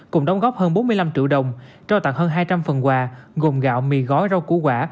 cùng đóng góp hơn bốn mươi năm triệu đồng trao tặng hơn hai trăm linh phần quà gồm gạo mì gói rau củ quả